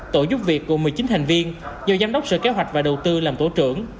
tổ giúp việc gồm một mươi chín thành viên do giám đốc sở kế hoạch và đầu tư làm tổ trưởng